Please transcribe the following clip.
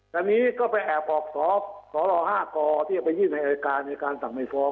ตอนนี้ก็ไปแอบออกส์สวรรค์๕กรที่ไปยื่นในรายการสังมัยฟ้อง